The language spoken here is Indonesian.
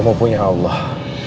kamu punya allah